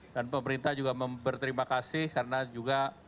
dan pemerintah juga memberi terima kasih karena juga